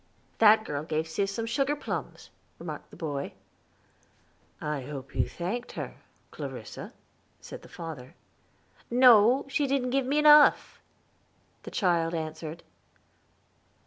"That girl gave Sis some sugar plums," remarked the boy. "I hope you thanked her, Clarissa," said the father. "No; she didn't give me enough," the child answered.